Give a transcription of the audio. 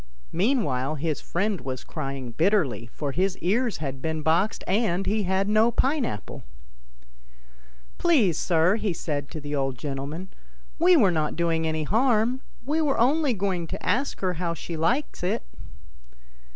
Meanwhile his friend was crying bitterly, for his ears had been boxed, and he had had no pine apple. " Please, sir," he said to the old gentleman, " we were not doing any harm; we were only going to ask her how she liked it."